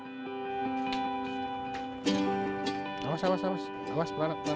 jit mencari penjualan permasalahan yang lebih besar